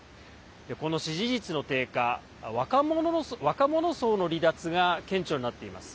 この支持率の低下若者層の離脱が顕著になっています。